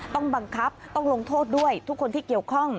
ต้องบังคับต้องลงโทษด้วยทุกคนที่เกี่ยวข้อง